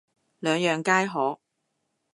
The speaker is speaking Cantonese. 兩樣皆可